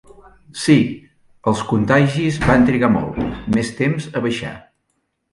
Sí, els contagis van trigar molt més temps a baixar.